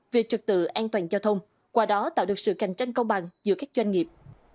về trực tự an toàn giao thông qua đó tạo được sự cạnh tranh công bằng giữa các doanh nghiệp